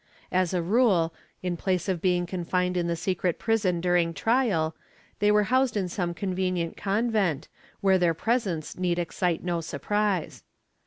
As a rule, in place of being confined in the secret prison during trial, they were housed in some con venient convent, where their presence need excite no surprise.